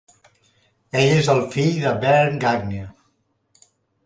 Ell és el fill de Verne Gagne.